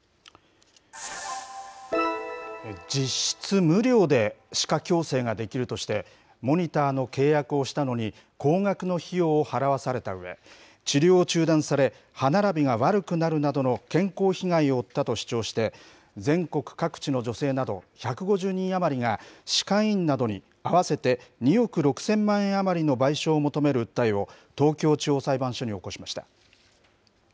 実質無料で歯科矯正ができるとして、モニターの契約をしたのに高額の費用を払わされたうえ、治療を中断され、歯並びが悪くなるなどの健康被害を負ったと主張して、全国各地の女性など１５０人余りが、歯科医院などに合わせて２億６０００万円余りの賠償を求める訴えを東京地方裁判所に起こしました。